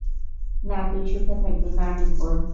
না তুই সুখে থাকবি, না ডিম্পল!